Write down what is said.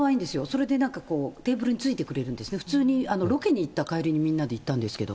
それでなんか、テーブルについてくれるんですね、普通にロケに行った帰りにみんなで行ったんですけど。